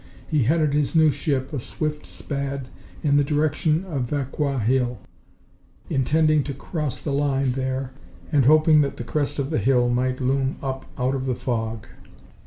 He headed his new ship, a swift Spad, in the direction of Vauquois Hill, intending to cross the line there and hoping that the crest of the hill might loom up out of the fog.